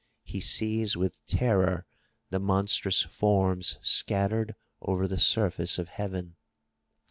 He sees with terror the monstrous forms scattered over the surface of heaven.